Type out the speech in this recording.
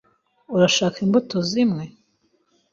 Urashaka imbuto zimwe?